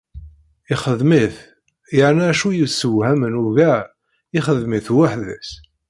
Ixdem-it, yerna acu yessewhamen ugar, ixdem-it weḥd-s.